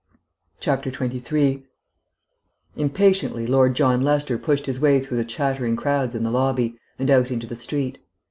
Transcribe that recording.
23 Impatiently Lord John Lester pushed his way through the chattering crowds in the lobby, and out into the street.